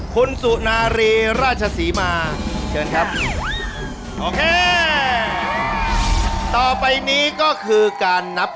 คุณสุนารีราชศรีมาเชิญครับโอเคต่อไปนี้ก็คือการนับ